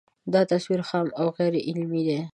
دا تصور خام او غیر علمي دی